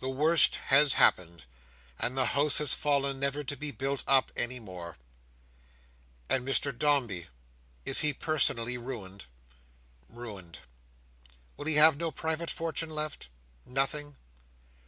The worst has happened; and the House has fallen, never to be built up any more." "And Mr Dombey, is he personally ruined?" "Ruined." "Will he have no private fortune left? Nothing?"